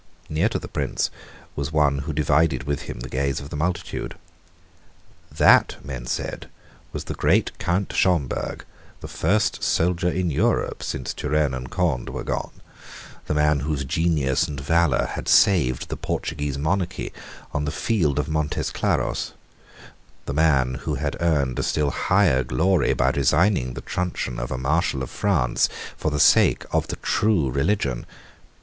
Near to the Prince was one who divided with him the gaze of the multitude. That, men said, was the great Count Schomberg, the first soldier in Europe, since Turenne and Conde were gone, the man whose genius and valour had saved the Portuguese monarchy on the field of Montes Claros, the man who had earned a still higher glory by resigning the truncheon of a Marshal of France for the sake of the true religion.